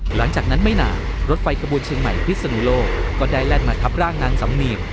หลังจากนั้นไม่นานรถไฟกระบวนเชียงใหม่พิศนุโลกก็ได้แล่นมาทับร่างนางสำเนียง